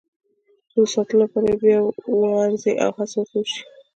چې د ساتلو لپاره یې بیا وارزي او هڅه ورته وشي.